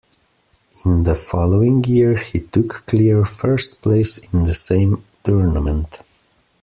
In the following year he took clear first place in the same tournament.